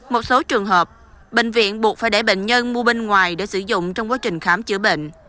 một số trường hợp bệnh viện buộc phải để bệnh nhân mua bên ngoài để sử dụng trong quá trình khám chữa bệnh